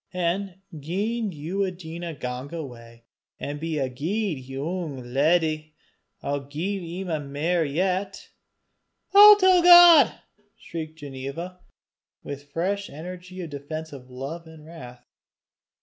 An' gien ye dinna gang awa, an' be a guid yoong leddy, I'll gie 'im mair yet." "I'll tell God," shrieked Ginevra with fresh energy of defensive love and wrath.